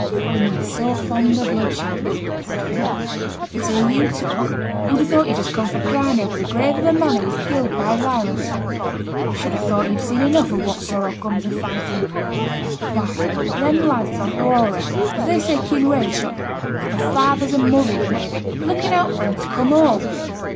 'Women is so fond o' bloodshed,' said Philip; 'for t' hear you talk, who'd ha' thought you'd just come fra' crying ower the grave of a man who was killed by violence? I should ha' thought you'd seen enough of what sorrow comes o' fighting. Why, them lads o' t' Aurora as they say Kinraid shot down had fathers and mothers, maybe, a looking out for them to come home.'